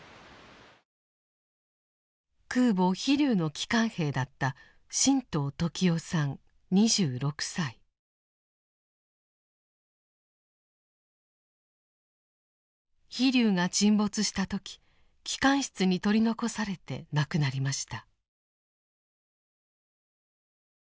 空母「飛龍」の機関兵だった「飛龍」が沈没した時機関室に取り残されて亡くなりました。